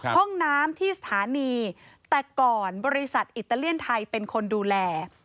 ห้องน้ำที่สถานีแต่ก่อนบริษัทอิตาเลียนไทยเป็นคนดูแล